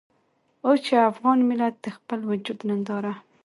اوس چې افغان ملت د خپل وجود ننداره.